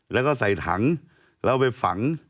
แล้วก็ใส่ถังแล้วไปฝัง